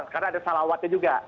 karena ada salawatnya juga